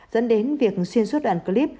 dẫn đến việc xuyên suốt đoạn clip